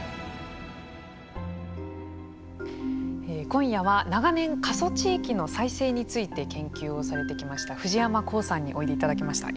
今夜は長年、過疎地域の再生について研究をされてきました藤山浩さんにおいでいただきました。